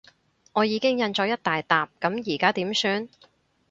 我已經印咗一大疊，噉而家點算？